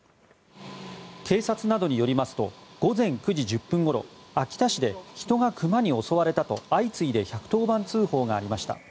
警察などによりますと午前９時１０分ごろ秋田市で人がクマに襲われたと相次いで１１０番通報がありました。